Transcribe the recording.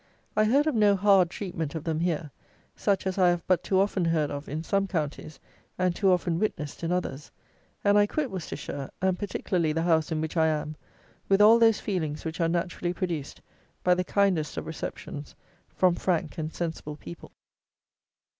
I hear of no hard treatment of them here, such as I have but too often heard of in some counties, and too often witnessed in others; and I quit Worcestershire, and particularly the house in which I am, with all those feelings which are naturally produced by the kindest of receptions from frank and sensible people.